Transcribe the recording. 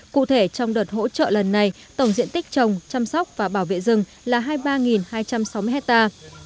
cụ thể trong đợt hỗ trợ lần này tổng diện tích trồng chăm sóc và bảo vệ rừng là hai mươi ba hai trăm sáu mươi hectare